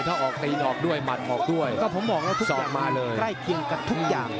ถ้าออกตีนออกด้วยหมัดออกด้วยก็ผมบอกนะครับทุกอย่างใกล้เคียงกับทุกอย่าง